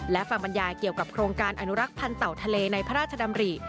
และฟังบรรยายเกี่ยวกับโครงการอนุรักษ์พันธ์เต่าทะเลในพระราชดำริ